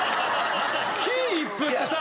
金一封ってさ